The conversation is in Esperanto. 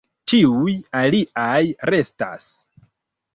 Ĉiuj aliaj restas.